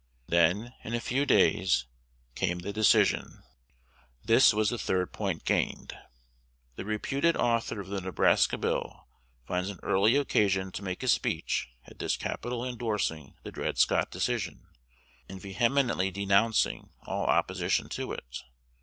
Then, in a few days, came the decision. This was the third point gained. The reputed author of the Nebraska Bill finds an early occasion to make a speech at this Capitol indorsing the Dred Scott Decision, and vehemently denouncing all opposition to it.